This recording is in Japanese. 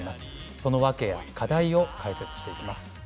その訳や課題を解説していきます。